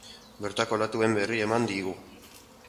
Bertako olatuen berri eman digu.